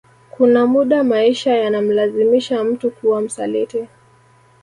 Kuna muda maisha yanamlazimisha mtu kuwa msaliti